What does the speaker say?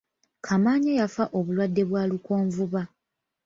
Kamaanya yafa obulwadde bwa lukonvuba.